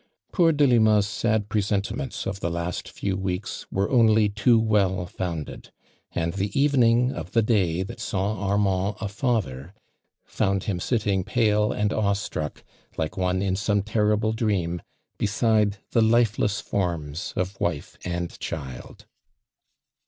Poor Delima' s sad presentiments of the last few weeks were only too well founded, and the evening of the day that saw Armand a father, found him sitting pale and awe struck, like one in .some terrible dream, bewide the lifeless form* of wife and child.